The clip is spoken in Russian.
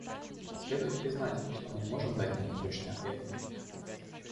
Следует признать, что мы не можем дать на них точный ответ.